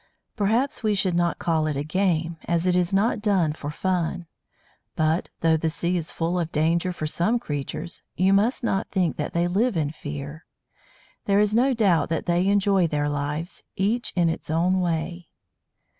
Perhaps we should not call it a "game," as it is not done for fun. But, though the sea is full of danger for some creatures, you must not think that they live in fear. There is no doubt that they enjoy their lives, each in its own way.